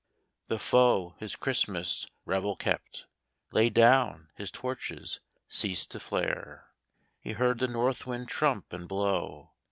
The foe, his Christmas revel kept, Lay down ; his torches ceased to flare — He heard the north wind trump and blow.